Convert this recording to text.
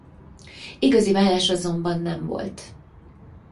Igazi válás azonban nem volt.